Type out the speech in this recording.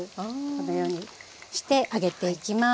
このようにして揚げていきます。